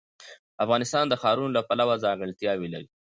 افغانستان د ښارونو له پلوه ځانګړتیاوې لري.